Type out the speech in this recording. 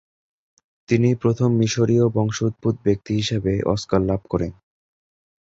তিনি প্রথম মিসরীয় বংশোদ্ভূত ব্যক্তি হিসেবে অস্কার লাভ করেন।